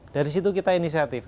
dari situ kita inisiatif